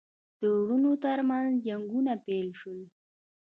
د وروڼو ترمنځ جنګونه پیل شول.